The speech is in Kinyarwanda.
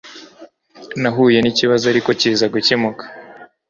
NAHUYE N'IKIBAZO ARIKO KIZA GUKEMUKA